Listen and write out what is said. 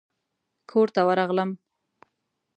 کورته ورغلم.